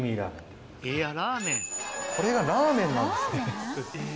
これがラーメンなんですね。